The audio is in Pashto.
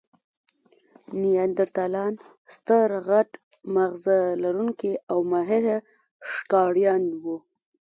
نیاندرتالان ستر، غټ ماغزه لرونکي او ماهره ښکاریان وو.